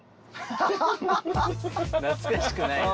懐かしくないな。